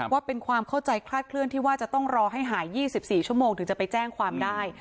ว่าเป็นความเข้าใจคลาดเคลื่อนที่ว่าจะต้องรอให้หาย๒๔ชั่วโมงถึงจะไปแจ้งความได้